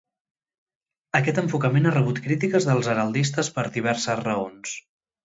Aquest enfocament ha rebut crítiques dels heraldistes per diverses raons.